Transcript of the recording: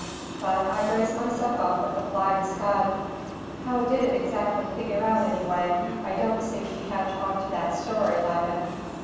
But I braced myself up with the Flying Scud. How did it exactly figure out anyway? I don't seem to catch on to that story, Loudon."